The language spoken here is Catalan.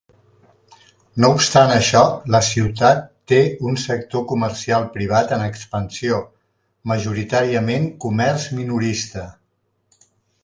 No obstant això, la ciutat té un sector comercial privat en expansió, majoritàriament comerç minorista.